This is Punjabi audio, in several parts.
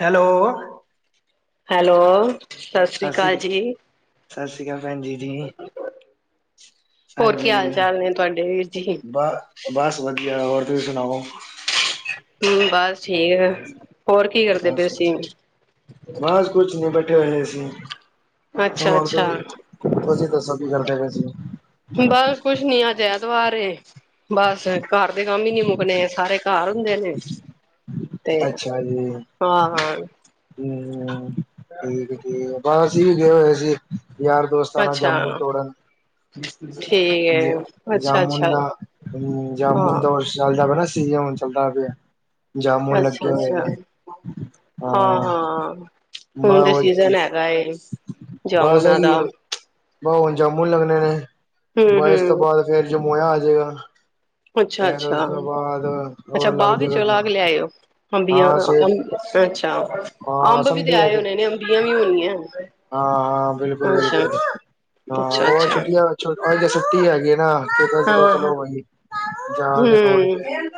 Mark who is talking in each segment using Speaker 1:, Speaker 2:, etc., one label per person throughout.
Speaker 1: ਹੈਲੋ
Speaker 2: ਹੈਲੋ,
Speaker 1: ਸਤਿ ਸ਼੍ਰੀ
Speaker 2: ਸਸ੍ਰੀਕਾਲ ਜੀ,
Speaker 1: ਸਤਿ ਸ਼੍ਰੀ ਅਕਾਲ ਭੈਣ ਜੀ ਜੀ
Speaker 2: ਹੋਰ ਕੀ ਹਾਲ
Speaker 1: ਹਾਂਜੀ
Speaker 2: ਚਾਲ ਨੇ ਤੁਆਡੇ ਵੀਰ ਜੀ?
Speaker 1: ਤੁਸੀ ਸੁਨਾਓ?
Speaker 2: ਹੂੰ ਬਸ ਠੀਕ। ਹੋਰ ਕੀ ਕਰਦੇ
Speaker 1: ਬਸ
Speaker 2: ਪਏ ਸੀ?
Speaker 1: ਠੇ ਹੋਏ ਸੀ।
Speaker 2: ਅੱਛਾ
Speaker 1: ਹੋਰ
Speaker 2: ਅੱਛਾ।
Speaker 1: ਤੁਸੀਂ ਤੁਸੀਂ ਦੱਸੋ ਕੀ ਕਰਦੇ ਪਏ ਸੀ
Speaker 2: ਬਸ ਕੁੱਛ ਨੀ ਆ ਐਤਵਾਰ ਏ, ਬਸ ਘਾਰ ਦੇ ਕੰਮ ਹੀ ਨੀ ਮੁੱਕਨੇ ਸਾਰੇ ਘਾਰ ਹੁੰਦੇ ਨੇ। ਤੇ,
Speaker 1: ਅੱਛਾ
Speaker 2: ਆ ਹਾਂ
Speaker 1: ਹੂੰ। ਠੀਕ ਏ ਠੀਕ ਏ, ਬਸ [unintelligible] ਯਾਰ ਦੋਸਤਾ ਨਾਲ
Speaker 2: ਅੱਛਾ
Speaker 1: ਜਾਮੁਨ ਤੋੜਨ।
Speaker 2: ਠੀਕ
Speaker 1: ਜ
Speaker 2: ਏ।
Speaker 1: ਜਾਮੁਨ
Speaker 2: ਅੱਛਾ-ਅੱਛਾ,
Speaker 1: ਦਾ, ਹੂੰ ਜਾਮੁਨ
Speaker 2: ਹਾਂ,
Speaker 1: ਦਾ [unintelligible] [unintelligible] ਚੱਲਦਾ ਪਿਆ। ਜਾਮੁਨ ਲੱਗੇ
Speaker 2: ਅੱਛਾ
Speaker 1: ਹੋਏ
Speaker 2: ਅੱਛਾ,
Speaker 1: ਨੇ
Speaker 2: ਹਾਂ ਹਾਂ,
Speaker 1: ਬ
Speaker 2: ਹੁਨ ਤੇ ਸੀਜਨ ਹੈਗਾ ਏ
Speaker 1: ਬਸ
Speaker 2: ਜਾਮੁਨਾ
Speaker 1: ਹੈਗੀ
Speaker 2: ਦਾ।
Speaker 1: ਬ ਹੁਨ ਜਾਮੁਨ ਲੱਗਨੇ ਨੇ। ਬ ਇਸ ਤੋਂ
Speaker 2: ਹੂੰ-ਹੂੰ,
Speaker 1: ਬਾਅਦ ਫੇਰ ਜਮੋਇਆ ਆਜੇਗਾ ਹ
Speaker 2: ਅੱਛਾ ਅੱਛਾ ਅੱਛਾ
Speaker 1: ਹੋਰ ਲੱਗ
Speaker 2: ਬਾਗ ਵਿੱਚੋਂ
Speaker 1: ਜਾਏਗਾ
Speaker 2: ਲਾ ਕੇ ਲੈ ਆਇਓ ਅੰਬੀਆਂ
Speaker 1: ਹਾਂ ਸਵੇਰ
Speaker 2: ਅੱਛਾ
Speaker 1: ਹਾਂ
Speaker 2: ਅੰਬ ਵੀ ਤੇ ਆਏ ਹੋਣੇ ਨੇ ਅੰਬੀਆਂ ਵੀ ਹੋਣੀਆਂ
Speaker 1: ਹਾਂ ਹਾਂ ਬਿਲਕੁਲ
Speaker 2: ਅੱਛਾ
Speaker 1: ਬਿਲਕੁਲ ਹਾਂ
Speaker 2: ਅੱਛਾ
Speaker 1: ਉਹ
Speaker 2: ਅੱਛਾ
Speaker 1: ਛੁੱਟੀਆਂ ਛ ਛੂਟੀ ਹੈਗੀ ਆ ਨਾ
Speaker 2: ਹਾਂ ਹਾਂ
Speaker 1: [unintelligible] [inaudible] ਜਾ ਕੇ ਤੋੜ ਕੇ
Speaker 2: ਹੂੰ
Speaker 1: ਆਈਏ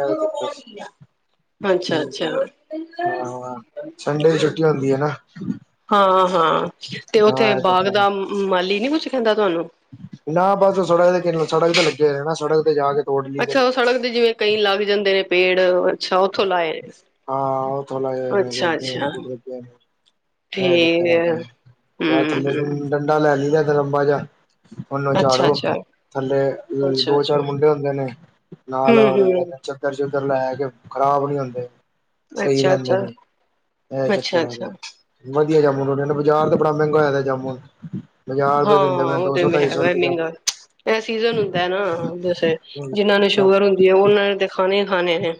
Speaker 1: ਐ ਚੱਕਰ,
Speaker 2: ਅੱਛਾ ਅੱਛਾ
Speaker 1: ਹਾਂ ਸੰਡੇ ਦੀ ਛੁੱਟੀ ਹੁੰਦੀ ਹੈ ਨਾ [inaudible]
Speaker 2: ਹਾਂ ਹਾਂ ਤੇ ਉੱਥੇ
Speaker 1: ਹਾਂ ਇਹ
Speaker 2: ਬਾਗ
Speaker 1: ਚੱਕਰ
Speaker 2: ਦਾ ਮਾਲੀ ਨੀ ਖੰਦਾ [unintelligible]
Speaker 1: ਨਾ ਬਸ ਸੜਕ ਦੇ ਕਿਹਨੁ ਸੜਕ ਤੇ ਲੱਗੇ ਹੋਏ ਨੇ ਨਾ ਸੜਕ ਜਾ ਕੇ ਤੋੜ ਲਈਦੇ
Speaker 2: ਅੱਛਾ
Speaker 1: ਨੇ
Speaker 2: ਉਹ ਸੜਕ ਦੇ ਜਿਵੇਂ ਕਈ ਲੱਗ ਜਾਂਦੇ ਨੇ ਪੇੜ ਅੱਛਾ ਓਥੋ ਲਾਏ।
Speaker 1: ਹਾਂ ਉਹਥੋ ਲਾਏ ਹੈਗੇ
Speaker 2: ਅੱਛਾ
Speaker 1: [unintelligible]
Speaker 2: ਅੱਛਾ
Speaker 1: ਐ
Speaker 2: ਠੀਕ
Speaker 1: ਚੱਕਰ
Speaker 2: ਹੈ
Speaker 1: ਹੈਗਾ, [unintelligible]
Speaker 2: ਹੂੰ
Speaker 1: ਥੱਲੇ
Speaker 2: ਹੂੰ
Speaker 1: ਡੰਡਾ ਲੈ ਲਈਦਾ ਲੰਬਾ ਜਾ ਉਹਨੂੰ
Speaker 2: ਅੱਛਾ
Speaker 1: ਝਾੜੋ,
Speaker 2: ਅੱਛਾ
Speaker 1: ਥੱਲੇ
Speaker 2: ਅੱਛਾ
Speaker 1: ਦੋ
Speaker 2: ਅੱਛਾ
Speaker 1: ਚਾਰ ਮੁੰਡੇ ਹੁੰਦੇ ਨੇ ਨਾਲ
Speaker 2: ਹੂੰ
Speaker 1: ਦੇ
Speaker 2: ਹੂੰ
Speaker 1: ਨੇ ਚੱਕਰ ਚ। ਇੱਧਰ ਲੈ ਕੇ ਖ਼ਰਾਬ ਨੀ ਹੁੰਦੇ। ਸਹੀ
Speaker 2: ਅੱਛਾ
Speaker 1: ਰਹਿੰਦੇ
Speaker 2: ਅੱਛਾ
Speaker 1: ਨੇ ਐ
Speaker 2: ਅੱਛਾ
Speaker 1: ਚੱਕਰ
Speaker 2: ਅੱਛਾ
Speaker 1: ਐਗਾ ਵਧੀਆ ਜਾਮੁਨ ਹੁੰਦੇ ਨੇ, ਬਾਜ਼ਾਰ ਤੇ ਬੜਾ ਮਹਿੰਗਾ ਹੋਇਆ ਜਾਮੁਨ। ਪੰਜਾਹ
Speaker 2: ਹਾਂ
Speaker 1: ਰੁਪਏ ਦਿੰਦੇ ਪਏ
Speaker 2: ਉਹ
Speaker 1: ਦੋ
Speaker 2: ਤੇ
Speaker 1: ਸੌ
Speaker 2: ਵੀ
Speaker 1: ਢਾਈ ਸੌ
Speaker 2: ਹੈਗਾ
Speaker 1: ਰੁਪਏ
Speaker 2: ਮਹਿੰਗਾ
Speaker 1: ਜਾਮੁਨ
Speaker 2: ਇਹ ਸੀਜਨ ਹੁੰਦਾ ਨਾ ਦਸ ਜਿੰਹਨਾਂ ਨੂੰ ਸ਼ੂਗਰ ਹੁੰਦੀ ਹੈ ਉਹਨਾਂ ਨੇ ਤੇ ਖਾਣੇ ਖਾਣੇ ਨੇ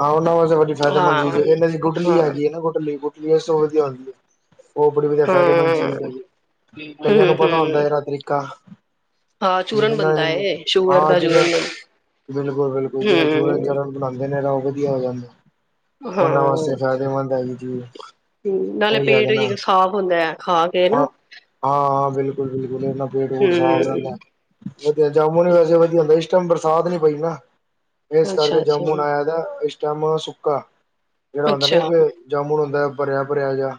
Speaker 1: ਹਾਂ, ਉਹਨਾਂ ਵਾਸਤੇ ਬੜੀ
Speaker 2: ਹਾਂ
Speaker 1: ਫਾਇਦੇਮੰਦ ਚੀਜ਼ ਏ। ਇਹਨਾਂ ਦੀ ਗੁਠਲੀ
Speaker 2: ਹਾਂ ਹਾਂ
Speaker 1: ਹੈਗੀ ਹੈ ਨਾ ਗੁਠਲੀ ਗ ਜਿਵੇਂ [unintelligible] ਸੋਲ ਦੀ ਆੳਦੀ ਏ। ਉਹ ਬੜੀ ਵਧੀਆ ਫਾਇਦੇਮੰਦ ਚੀਜ਼
Speaker 2: ਹਮ
Speaker 1: ਹੈਗੀ ਕਈਆਂ ਨੂੰ ਪਤਾ ਹੁੰਦਾ
Speaker 2: ਹਮ
Speaker 1: ਇਹਦਾ ਤਰੀਕਾ
Speaker 2: ਹਾਂ ਚੂਰਨ
Speaker 1: ਜਿਹਨਾਂ
Speaker 2: ਬਣਦਾ
Speaker 1: ਨੇ
Speaker 2: ਏ। ਸ਼ੂਗਰ
Speaker 1: ਹਾਂ
Speaker 2: ਦਾ
Speaker 1: ਜਿਹਨਾਂ
Speaker 2: ਚੂਰਨ ਹੂੰ।
Speaker 1: ਖਾਂਦੇ ਨੇ ਇਹਦਾ ਉਹ ਵਧੀਆ ਹੋ ਜਾਂਦਾ। ਉਹਨਾਂ ਵਾਸਤੇ
Speaker 2: ਹਾਂ
Speaker 1: ਫਾਇਦੇਮੰਦ ਹੈਗੀ ਚੀਜ਼
Speaker 2: ਨਾਲੇ
Speaker 1: ਉਹੀ
Speaker 2: ਪੇਟ
Speaker 1: ਹੈਗਾ ਨਾ,
Speaker 2: ਵੀ ਸਾਫ਼ ਹੁੰਦਾ ਹੈ ਖਾ ਕੇ ਨਾ
Speaker 1: ਹਾਂ ਹਾਂ ਬਿਲਕੁਲ ਬਿਲਕੁਲ ਇਹਨਾ ਪੇਟ ਪੂਟ ਸਾਫ਼
Speaker 2: ਹਮ
Speaker 1: ਰਹਿੰਦਾ ਵਧੀਆ ਜਾਮੂਨ ਵੈਸੇ ਵਧੀਆ ਹੁਣ ਬਰਸਾਤ ਨੀ ਪਈ ਨਾ। ਇਸ
Speaker 2: ਅੱਛਾ
Speaker 1: ਕਰਕੇ
Speaker 2: ਅੱਛਾ
Speaker 1: ਜਾਮੁਨ ਆਇਆ ਦਾ ਜਾਮੁਨ ਸੁੱਕਾ ਜਿਹੜਾ ਹੁੰਦਾ ਨਾ
Speaker 2: ਅੱਛਾ
Speaker 1: ਇੱਕ ਜਾਮੁਣ ਹੁੰਦਾ ਭਰਿਆ ਭਰਿਆ ਜਾ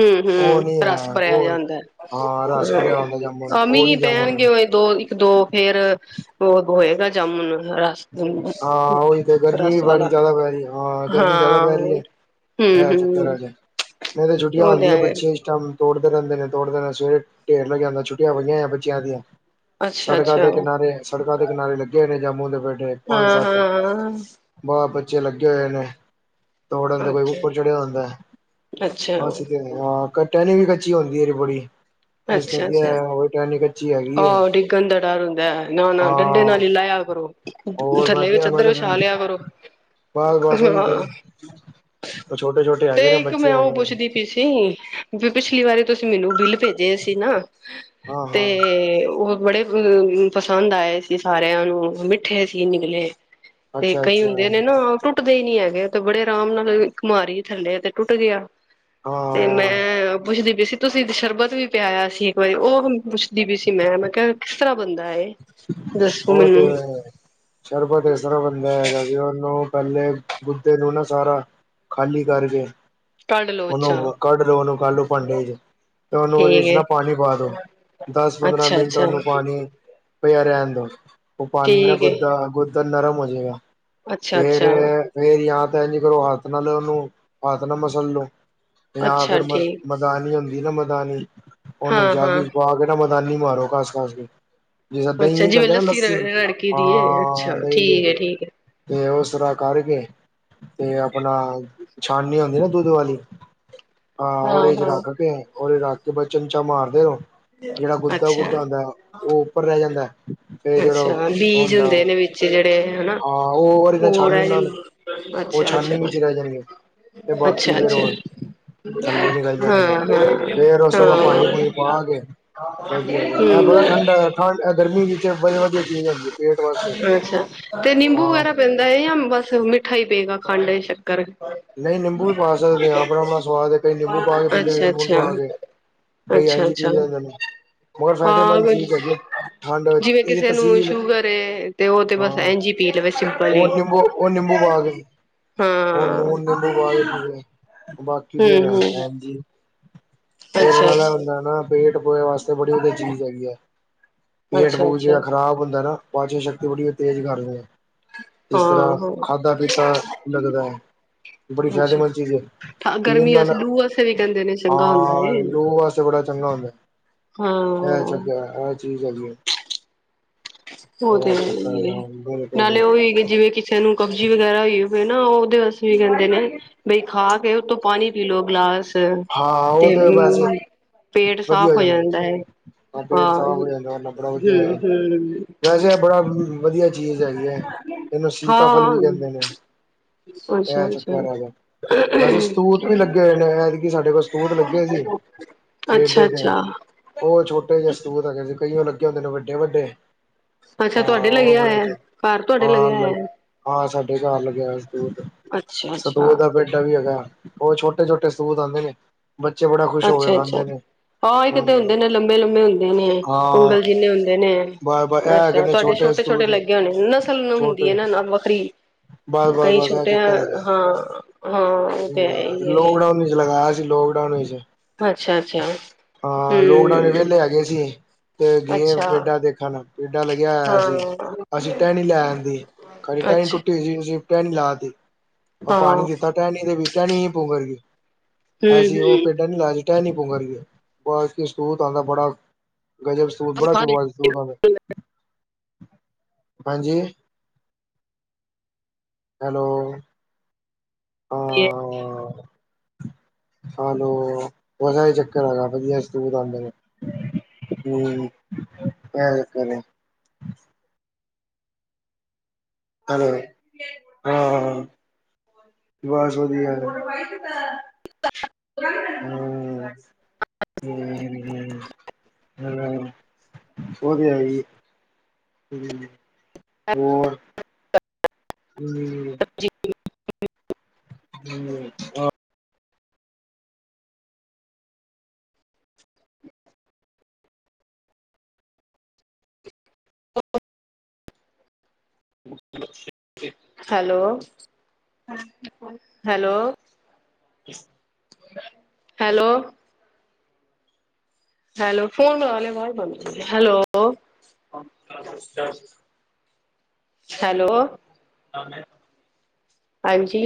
Speaker 2: ਹੂੰ
Speaker 1: ਉਹ
Speaker 2: ਹੂੰ
Speaker 1: ਨੀ ਹੈ
Speaker 2: ਰਸ ਭਰਿਆ ਜਾ
Speaker 1: ਉਹ
Speaker 2: ਹੂੰਦਾ
Speaker 1: ਹਾਂ ਰਸ ਭਰਿਆ
Speaker 2: ਹੈ
Speaker 1: ਹੁੰਦਾ ਜਾਮੁਨ
Speaker 2: ਅ
Speaker 1: ਉਹ
Speaker 2: ਮੀਂਹ
Speaker 1: ਨੀ ਜਾਮੁਨ
Speaker 2: ਪੈਣਗੇ ਦੋ ਇੱਕ ਦੋ ਫੇਰ ਉਹ ਹੋਏਗਾ ਜਾਮੁਨ ਰਸ
Speaker 1: ਹਾਂ ਉਹੀ ਤੇ ਗਰਮੀ ਵੀ
Speaker 2: ਰਸ
Speaker 1: ਬੜੀ
Speaker 2: ਵਾਲਾ
Speaker 1: ਜ਼ਿਆਦਾ ਪੈ ਰਹੀ ਹੈ, ਹਾਂ ਗਰਮੀ ਜ਼ਿਆਦਾ
Speaker 2: ਹਾਂ
Speaker 1: ਪੈ ਰਹੀ ਹੈ।
Speaker 2: ਹਮ
Speaker 1: ਏ ਚੱਕਰ
Speaker 2: ਹਮ
Speaker 1: ਹੈਗਾ। ਨਹੀਂ ਤਾਂ ਛੁੱਟੀਆਂ
Speaker 2: ਉਹ ਤੇ
Speaker 1: ਹੁੰਦੀਆਂ
Speaker 2: ਹੈ
Speaker 1: ਬੱਚੇ ਇਸ ਟੈਮ ਤੋੜਦੇ ਰਹਿੰਦੇ ਨੇ, ਤੋੜਦੇ ਨੇ, ਸਵੇਰੇ ਢੇਰ ਲਗਯਾ ਹੂੰਦਾ ਏ। ਛੁੱਟੀਆਂ ਹੋਈਆਂ ਏ ਬੱਚਿਆਂ ਦੀਆਂ,
Speaker 2: ਅੱਛਾ
Speaker 1: ਸੜਕਾ
Speaker 2: ਅੱਛਾ
Speaker 1: ਦੇ ਕਿਨਾਰੇ, ਸੜਕਾਂ ਦੇ ਕਿਨਾਰੇ ਲੱਗੇ ਨੇ ਜਾਮੁਨ ਦੇ ਪੇਡੇ
Speaker 2: ਹਾਂ ਹਾਂ ਹਾਂ।
Speaker 1: ਪਿਛੇ ਲੱਗੇ ਹੋਏ ਨੇ ਤੋੜਨ ਦੇ ਕੋਈ
Speaker 2: ਅੱਛਾ
Speaker 1: ਉੱਪਰ ਚੜਿਆ ਹੁੰਦਾ
Speaker 2: ਅੱਛਾ
Speaker 1: ਏ, ਅਸੀ ਤੇ ਨਹੀ ਟਹਿਣੀ ਵੀ ਕੱਚੀ ਹੁੰਦੀ ਹੈ ਏਦੀ ਬੜੀ ਇਸ ਤੇ
Speaker 2: ਅੱਛਾ
Speaker 1: ਕੀ ਹੈ
Speaker 2: ਅੱਛਾ
Speaker 1: ਟਹਿਣੀ ਕੱਚੀ ਹੈਗੀ ਹੈ
Speaker 2: ਆਹੋ ਡਿੱਗਣ ਦਾ ਡਰ ਹੁੰਦਾ ਏ ਨਾ-ਨਾ ਡੰਡੇ
Speaker 1: ਹਾਂ
Speaker 2: ਨਾਲ ਹੀ ਲਾਇਆ ਕਰੋ।
Speaker 1: ਹੋਰ ਮੈਂ
Speaker 2: ਥੱਲੇ ਵੀ
Speaker 1: ਕਿਹਾ ਮੈਂ
Speaker 2: ਚੱਦਰ
Speaker 1: ਤਾਂ
Speaker 2: ਵਿਛਾ ਲਿਆ ਕਰੋ,
Speaker 1: ਬਸ ਬਸ ਉਹੀ ਤੇ
Speaker 2: ਹਾਂ
Speaker 1: ਛੋਟੇ ਛੋਟੇ
Speaker 2: ਤੇ
Speaker 1: ਹੈਗੇ ਨੇ
Speaker 2: ਇੱਕ
Speaker 1: ਬੱਚੇ
Speaker 2: ਮੈਂ
Speaker 1: ਹੈਗੇ
Speaker 2: ਉਹ
Speaker 1: ਨੇ
Speaker 2: ਪੁੱਛਦੀ ਪਈ ਸੀ ਪਿਛਲੀ ਵਾਰੀ ਤੁਸੀਂ ਮੈਨੂੰ ਬਿੱਲ ਭੇਜ ਤੇ ਅਸੀ ਨਾ
Speaker 1: ਹਾਂ
Speaker 2: ਤੇ
Speaker 1: ਹਾਂ
Speaker 2: ਉਹ ਬੜੇ ਪਸੰਦ ਆਏ ਸੀ ਸਾਰਿਆਂ ਨੂੰ, ਮਿੱਠੇ ਸੀ ਨਿਕਲੇ। ਤੇ
Speaker 1: ਅੱਛਾ
Speaker 2: ਕਈ
Speaker 1: ਅੱਛਾ
Speaker 2: ਹੁੰਦੇ ਨੇ ਨਾ ਟੁੱਟ ਦੇ ਹੀ ਨੀ ਹੈਗੇ ਤੇ ਬੜੇ ਆਰਾਮ ਨਾਲ ਇੱਕ ਮਾਰੀ ਥੱਲੇ ਤੇ ਟੁੱਟ ਗਿਆ। ਤੇ
Speaker 1: ਹਾਂ
Speaker 2: ਮੈਂ ਪੁੱਛਦੀ ਜੇਸੀ ਤੁਸੀਂ ਸ਼ਰਬਤ ਵੀ ਪਿਆਇਆ ਸੀ ਇੱਕ ਵਾਰੀ ਉਹ ਹਨ ਪੁੱਛਦੀ ਵੀ ਸੀ ਮੈਂ, ਮੈਂ ਕਿਹਾ ਕਿਸ ਤਰ੍ਹਾਂ ਬੰਦਾ ਇਹ?
Speaker 1: ਔ ਤੇ ਹੈ, ਸ਼ਰਬਤ ਏਸਤਰਾ ਬੰਦਾ ਹੈਗਾ ਕੀ ਔਹਨੂੰ ਪਹਿਲੇ ਗੂੱਦੇੇ ਨੂੰ ਨਾ ਸਾਰਾ ਖਾਲੀ ਕਰਕੇ
Speaker 2: ਕੱਢ ਲੋ ਅੱਛਾ
Speaker 1: ਉਹਨੂੰ ਕੱਢ ਲਓ ਉਹਨੂੰ ਕੱਢ ਲਓ ਭਾਂਡੇ ਚ ਤੇ ਉਹਨੂੰ ਉਹਦੇ
Speaker 2: ਠੀਕ ਹੈ
Speaker 1: ਨਾ ਪਾਣੀ ਪਾ ਦੋ ਦਸ ਪੰਦਰਾਂ
Speaker 2: ਅੱਛਾ
Speaker 1: ਮਿੰਟ
Speaker 2: ਅੱਛਾ
Speaker 1: ਉਹਨੂੰ ਪਾਣੀ ਪਿਆ ਰਹਿਨ ਦੋ ਉਹ ਪਾਣੀ ਨਾਲ
Speaker 2: ਠੀਕ ਹੈ
Speaker 1: ਗੁੱਦਾ, ਗੁੱਦਾ ਨਰਮ ਹੋ ਜੇਗਾ।
Speaker 2: ਅੱਛਾ
Speaker 1: ਫੇਰ
Speaker 2: ਅੱਛਾ
Speaker 1: ਫੇਰ ਯਾ ਤੇ ਏਂਜ ਕਰੋ ਹੱਥ ਨਾਲ ਉਹਨੂੰ ਹਥ ਨਾਲ ਮਸਲ ਲੋ ਜਾਂ
Speaker 2: ਅੱਛਾ
Speaker 1: ਫੇਰ ਮ
Speaker 2: ਠੀਕ
Speaker 1: ਮਦਾਨੀ ਹੁੰਦੀ ਨਾ ਮ ਧਾਨੀ ਓਨੂੰ
Speaker 2: ਹਾਂ
Speaker 1: ਜੱਗ
Speaker 2: ਹਾਂ
Speaker 1: ਵਿੱਚ ਪਾ ਕੇ ਮ ਕਾਂਦ ਮਾਰੋ ਘਾਸ-ਘਾਸ ਕੇ ਜਿਸ [unintelligible]
Speaker 2: ਅੱਛਾ
Speaker 1: ਦਹੀਂ
Speaker 2: ਜਿਵੇਂ
Speaker 1: ਕਰਦੇ ਨਾ ਲੱਸੀ,
Speaker 2: ਰੜਕੀ ਦੀ ਏ
Speaker 1: ਹਾਂ
Speaker 2: ਅੱਛਾ
Speaker 1: ਦਹੀਂ,
Speaker 2: ਠੀਕ ਹੈ ਠੀਕ ਹੈ
Speaker 1: ਤੇ ਓਸ ਤਰਾਂ ਕਾਰਕੇ ਤੇ ਆਪਣਾ ਛਾਨਨੀ ਔਂਦੀ ਨਾ ਦੁੱਧ ਵਾਲੀ ਹਾਂ ਓਦੇ ਚ ਰਾਖ ਕੇ ਓਦੇ ਰਾਖ ਕੇ ਬਸ ਚੁਮਚਾ ਮਾਰ ਦੋ ਜੇੜਾ
Speaker 2: ਅੱਛਾ,
Speaker 1: ਗੁੱਦਾ-ਗੁੱਦਾ ਹੁੰਦਾ, ਓ [unintelligible]
Speaker 2: ਅੱਛਾ ਬੀਜ ਹੁੰਦੇ
Speaker 1: ਹਾਂ
Speaker 2: ਨੇ ਵਿੱਚ ਜਿਹੜੇ ਹਨਾ
Speaker 1: ਉਹ ਉਹਦੇ ਨਾਲ
Speaker 2: ਉਹ
Speaker 1: ਛਾਨੀ
Speaker 2: ਰਹਿ
Speaker 1: ਨਾਲ
Speaker 2: ਜਾਂਦੇ,
Speaker 1: ਉਹ
Speaker 2: ਅੱਛਾ
Speaker 1: ਛਾਨੀ ਵਿੱਚ ਰਹਿ ਜਾਣਗੇ ਤੇ
Speaker 2: ਅੱਛਾ-ਅੱਛਾ- ਅੱਛਾ
Speaker 1: ਬਾਕੀ ਫੇਰ ਉਹ ਥੱਲੇ ਨਿਕਲ
Speaker 2: ਹਾਂ,
Speaker 1: ਜਾਣਗੇ
Speaker 2: ਹਾਂ,
Speaker 1: ਫੇਰ ਉਸ ਤੋਂ
Speaker 2: ਹਾਂ
Speaker 1: ਬਾਅਦ ਪਾਣੀ ਪੂਣੀ ਪਾ ਕੇ ਵਧੀਆ ਇਹ
Speaker 2: ਹਮ
Speaker 1: ਪਤਾ ਠੰਡ ਠੰਡ ਗਰਮੀ ਵਿੱਚ ਵਧੀਆ ਵਧੀਆ ਚੀਜ਼ ਹੁੰਦੀ ਹੈ ਪੇਟ ਵਾਸਤੇ
Speaker 2: ਅੱਛਾ ਤੇ ਨਿੰਬੂ
Speaker 1: ਹਾਂ
Speaker 2: ਵਗੈਰਾ ਪੈਂਦਾ ਹੈ ਯਾ ਬਸ ਮਿੱਠਾ ਹੀ ਪਏਗਾ। ਖੰਡ ਸ਼ੱਕਰ
Speaker 1: ਨਹੀਂ ਨਿੰਬੂ ਵੀ ਪਾ ਸਕਦੇ ਆ ਆਪਣਾ, ਆਪਣਾ ਸਵਾਦ ਹੈ, ਕਈ ਨਿੰਬੂ ਪਾ ਕੇ ਪੀਂਦੇ
Speaker 2: ਅੱਛਾ,
Speaker 1: ਲੂਣ
Speaker 2: ਅੱਛਾ।
Speaker 1: ਪਾ ਕੇ ਕਈ
Speaker 2: ਅੱਛਾ,
Speaker 1: ਐਝੰ
Speaker 2: ਅੱਛਾ
Speaker 1: ਪੀ ਲੈਂਦੇ ਮਗਰ ਫਾਇਦੇਮੰਦ ਚੀਜ਼ ਹੈਗੀ ਹੈ, ਠੰਡ ਵਿੱਚ ਇਹ
Speaker 2: ਐਨੂੰ ਸ਼ੂਗਰ ਤੇ ਉਹ ਤੇ ਬਸ ਇੰਝ ਹੀ ਪੀ ਲਵੇ ਸਿੰਪਲ ਹੀ
Speaker 1: ਉਹ ਨਿੰਬੂ ਉਹ ਨਿੰਬੂ ਪਾ ਕੇ
Speaker 2: ਹਾਂ।
Speaker 1: ਉਹ ਨੂਨ ਨਿੰਬੂ ਪਾ ਕੇ ਪੀਵੋ ਬਾਕੀ ਫੇਰ
Speaker 2: ਹੂੰ,
Speaker 1: ਆ
Speaker 2: ਹੂੰ
Speaker 1: ਏਣਜੀ ਪੀਣ
Speaker 2: ਅੱਛਾ,
Speaker 1: ਵਾਲਾ ਹੁੰਦਾ
Speaker 2: ਅੱਛਾ।
Speaker 1: ਨਾ ਪੇਟ ਉਏ ਵਾਸਤੇ ਬੜੀ ਵਧੀਆ ਚੀਜ਼ ਹੈਗੀ ਹੈ। ਪੇਟ ਪੂਟ
Speaker 2: ਅੱਛਾ-ਅੱਛਾ,
Speaker 1: ਜਿਹੜਾ ਖ਼ਰਾਬ ਹੁੰਦਾ ਨਾ ਪਾਚਨ ਸ਼ਕ ਬੜੀ ਤੇਜ਼ ਕਰ ਰਹੇ ਹੈ ਇਸਿਸ ਤਰ੍ਹਾਂ
Speaker 2: ਹਾਂ-ਹਾਂ,
Speaker 1: ਖਾਧਾ ਪੀਤਾ ਲੱਗਦਾ ਹੈ। ਬੜੀ
Speaker 2: ਅੱਛਾ।
Speaker 1: ਫਾਇਦੇਮੰਦ ਚੀਜ਼ ਹੈ
Speaker 2: ਠ
Speaker 1: ਪੀਣ
Speaker 2: ਗਰਮੀ
Speaker 1: ਨਾਲ
Speaker 2: ਵਾਸਤੇ ਲੂ ਵਾਸਤੇ ਵੀ ਕਹਿੰਦੇ ਨੇ ਚੰਗਾ ਹੁੰਦਾ
Speaker 1: ਹਾਂ
Speaker 2: ਏ।
Speaker 1: ਲੋ ਵਾਸਤੇ ਬੜਾ ਚੰਗਾ ਹੁੰ [inaudible]
Speaker 2: ਹਾਂ,
Speaker 1: [unintelligible] [inaudible]
Speaker 2: ਉਹ ਤੇਏ
Speaker 1: ਬਿਲਕੁਲ
Speaker 2: ਨਾਲੇ
Speaker 1: ਬਿਲਕੁਲ
Speaker 2: ਉਹ ਵੀ ਜਿਵੇਂ ਕਿਸੇ ਨੂੰ ਕਬਜੀ ਵਗੈਰਾ ਹੋਈਵੇ ਨਾ ਉਹਦੇ ਵਾਸਤੇ ਵੀ ਕਹਿੰਦੇ ਨੇ ਬਈ ਖਾ ਕੇ ਉਹਤੋਂ ਪਾਣੀ ਪੀ ਲੋਓ ਗਿਲਾਸ
Speaker 1: ਹਾਂ ਉਹ
Speaker 2: ਤੇ
Speaker 1: ਵੈਸੇ
Speaker 2: ਪੇਟ ਸਾਫ਼ ਹੋ ਜਾਂਦਾ ਹੈ
Speaker 1: ਪੇਟ ਸਾਫ਼ ਹੋ
Speaker 2: ਹਾਂ-
Speaker 1: ਜਾਂਦਾ ਬੜਾ ਵਧੀਆ
Speaker 2: ਹੂੰ-ਹੂੰ
Speaker 1: ਵੈਸੇ ਬੜਾ ਵਧੀਆ ਚੀਜ਼ ਹੈਗੀ ਹੈ ਇਹਨੂੰ ਸੀਤਾ ਫਲ
Speaker 2: ਹਾਂ,
Speaker 1: ਵੀ ਕਹਿੰਦੇ ਨੇ ਇਹ
Speaker 2: ਅੱਛਾ-ਅੱਛਾ।
Speaker 1: ਚੱਕਰ ਹੈਗਾ ਵੈਸੇ ਸਤੂਤ ਵੀ ਲੱਗੇ ਹੋਏ ਨੇ ਇਹ ਕੋਲ ਸਤੂਤ ਲੱਗੇ ਸੀ
Speaker 2: ਅੱਛਾ-ਅੱਛਾ, ਅੱਛਾ
Speaker 1: ਪੇਡੇ ਤੇ
Speaker 2: ਅੱਛਾ
Speaker 1: ਉਹ ਛੋਟੇ ਜਿਹੇ ਸਬਤੂ ਹੈਗੇ ਸੀ। ਕਈਓ ਲੱਗੇ ਹੁੰਦੇ ਨੇ ਵੱਡੇ-ਵੱਡੇ!
Speaker 2: ਅੱਛਾ ਤੁਹਾਡੇ ਲਗੇ ਆਇਆ ਆ ਘਰ ਤੁਹਾਡੇ ਲਗਿਆ ਹੋਇਆ।
Speaker 1: ਡੇ ਘਰ ਲਗਿਆ ਹੋਇਆ ਸੀ। ਤੂਤ ਸ਼ਹਿਤੂਤ
Speaker 2: ਅੱਛਾ-ਅੱਛਾ,
Speaker 1: ਦਿ ਪੇਡਾ ਵੀ ਹੈਗਾ। ਉਹ ਛੋਟੇ-ਛੋਟੇ ਤੂਤ ਆਦੇ ਨੇ ਬੱਚੇ ਬੜਾ ਖੁਸ਼ ਹੋ ਕੇ
Speaker 2: ਅੱਛਾ-ਅੱਛਾ
Speaker 1: ਖਾਂਦੇ ਨੇ
Speaker 2: ਹਹ ਇੱਕ
Speaker 1: ਹਾਂ
Speaker 2: ਤਾਂ ਹੁੰਦੇ ਨੇ ਲੰਬੇ -ਲੰਬੇ ਹੁੰਦੇ ਨੇ
Speaker 1: ਹਾਂ
Speaker 2: ਉਂਗਲ ਜਿੰਨੇ ਹੁੰਦੇ ਨੇ
Speaker 1: ਬ ਬ ਇਹ ਹੈਗੇ
Speaker 2: ਅੱਛਾ
Speaker 1: ਨੇ
Speaker 2: ਤੁਹਾਡੇ ਛੋਟੇ- ਛੋਟੇ
Speaker 1: ਸਤੂਤ
Speaker 2: ਲੱਗੇ ਹੋਣੇ ਨਸਲ
Speaker 1: ਛੋਟੇ
Speaker 2: ਹੁੰਦੀ ਹੈ ਨਾ ਵੱਖਰੀ
Speaker 1: ਬਸ ਬਸ
Speaker 2: ਕਈ
Speaker 1: ਬਸ ਇਹ
Speaker 2: ਛੋਟੇ
Speaker 1: ਚੱਕਰ ਹੈਗਾ
Speaker 2: ਹਾਂ- ਹਾਂ ਉਹ ਤੇ ਹੈ ਹੀ ਏ।
Speaker 1: ਲੋਕਡਾਊਨ ਵਿੱਚ ਲਗਾਇਆ ਲੋਕਡਾਊਨ ਵਿੱਚ ਹਾਂ ਲੋਕਡਾਊਨ
Speaker 2: ਹੂੰ
Speaker 1: ਵੇੱਲੇ ਹੈਗੇ ਸੀ, ਤੇ ਗਏ
Speaker 2: ਅੱਛਾ
Speaker 1: ਪੇਡਾਂ ਦੇਖਣ, ਪੇਡਾਂ ਲੱਗੇਆ ਹੋਏਆ
Speaker 2: ਹਾਂ
Speaker 1: ਸੀ, ਅਸੀਂ ਟੈਣੀ ਲੈ ਆਂਦੀ, ਫਿਰ ਟੈਣੀ
Speaker 2: ਅੱਛਾ
Speaker 1: ਟੁੱਟੀ ਸੀ ਅਸੀਂ ਕੈਣ ਲਾਦੇ ਓ
Speaker 2: ਹਾਂ
Speaker 1: ਪਾਣੀ ਦਿੱਤਾ ਟੈਣੀ ਦੇ ਵੀ ਕੈਣੀ ਪਉ ਵਰਗੀ ਐਸੀ ਓ
Speaker 2: ਹੂੰ-ਹੂੰ।
Speaker 1: ਪੇੱ‍ਡਾ ਨੀ ਲਾਯਾ ਟੈਣੀ ਪਕਰ ਕੇ, [unintelligible] ਸੂਤ ਆਂਦਾ ਬੜਾ ਗਜ਼ਬ ਸੌਡਾ [unintelligible] ਹਾਂਜੀ, ਹੈਲੋ
Speaker 2: [unintelligible]
Speaker 1: ਹਾ, ਹਾਲੋ ਬਸ ਐਹੀ ਚੱਕਰ ਹੈਗਾ ਵਧੀਆ ਸ਼ਤੁਤ ਆਂਦੇ ਨੇ, ਹੂੰ ਐ ਚੱਕਰ ਏ। ਹੈਲੋ, ਹਾਹਾ ਹਾ। ਬਾਸ ਵਧੀਐ, ਹੂੰ ਹੂੰ ਹੂੰ ਹੂੰ, ਵਦੀਆ ਜੀ, ਓਰ [unintelligible]
Speaker 2: [inaudible]
Speaker 1: [unintelligible] ਆ
Speaker 2: hello, hello, hello hello, hello, hello, ਹਾਂਜੀ